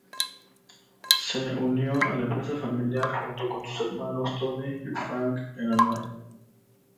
Se unió a la empresa familiar, junto con sus hermanos Tony y Frank Unanue.